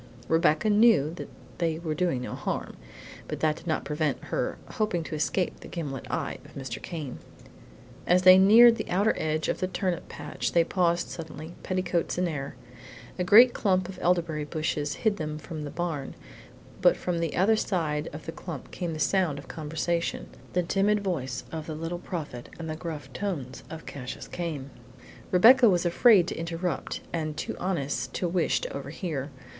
Rebecca knew that they were doing no harm, but that did not prevent her hoping to escape the gimlet eye of Mr. Came. As they neared the outer edge of the turnip patch they paused suddenly, petticoats in air. A great clump of elderberry bushes hid them from the barn, but from the other side of the clump came the sound of conversation: the timid voice of the Little Prophet and the gruff tones of Cassius Came. Rebecca was afraid to interrupt, and too honest to wish to overhear.